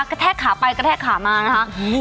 แทกขาไปกระแทกขามานะคะ